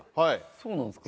そうなんですか？